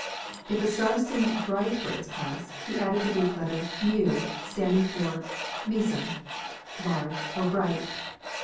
If a star seemed bright for its class, he added the Greek letter fi (Mu), standing for piei^oov (Meizon), large or bright.